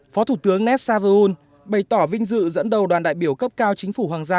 phó thủ tướng nét saverul bày tỏ vinh dự dẫn đầu đoàn đại biểu cấp cao chính phủ hoàng gia